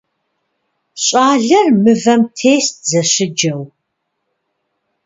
Щӏалэр мывэм тест зэщыджэу.